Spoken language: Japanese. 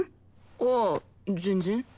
ああ全然。